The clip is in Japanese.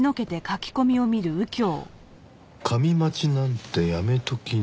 「神待ちなんてやめときなよ